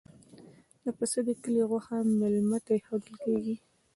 د پسه د کلي غوښه میلمه ته ایښودل کیږي.